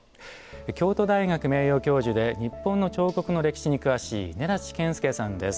京都大学名誉教授で日本の彫刻の歴史に詳しい根立研介さんです。